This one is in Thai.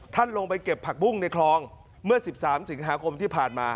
ท่านลงไปเก็บผักปุ้งในคลองเมื่อสิบสามสิบหาคมที่ผ่านมา